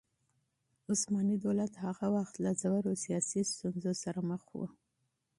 عثماني دولت هغه مهال له ژورو سياسي ستونزو سره مخ و.